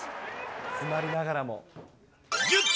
詰まりながらも。